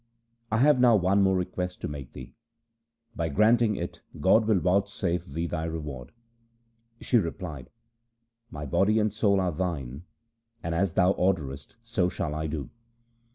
I have now one more request to make thee. By granting it God will vouchsafe thee thy reward.' She replied, ' My body and soul are thine, and as thou orderest so shall I do.'